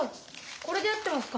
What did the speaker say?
これで合ってますか？